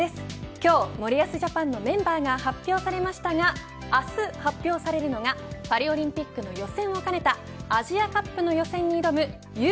今日、森保ジャパンのメンバーが発表されましたが明日発表されるのがパリオリンピックの予選を兼ねたアジアカップの予選に挑むＵ